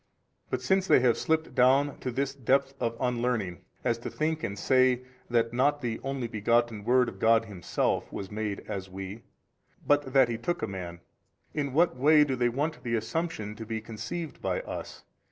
A. But since they have slipped down to this depth of unlearning, as to think and say that not the Only Begotten Word of God Himself was made as we, but that He took a man; in what way do they want the assumption to be conceived by us?